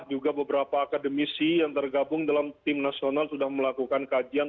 juga beberapa akademisi yang tergabung dalam tim nasional sudah melakukan kajian